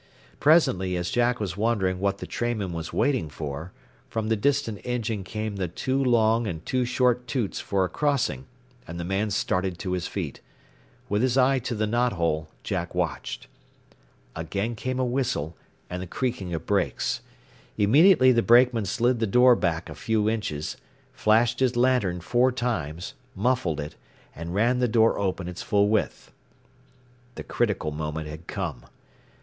Presently, as Jack was wondering what the trainman was waiting for, from the distant engine came the two long and two short toots for a crossing, and the man started to his feet. With his eye to the knot hole Jack watched. Again came a whistle, and the creaking of brakes. Immediately the brakeman slid the car door back a few inches, flashed his lantern four times, muffled it, and ran the door open its full width. The critical moment had come.